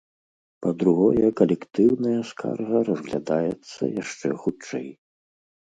Па-другое, калектыўная скарга разглядаецца яшчэ хутчэй.